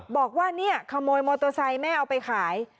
บอกว่าเนี่ยขโมยมอเตอร์ไซค์แม่เอาไปขาย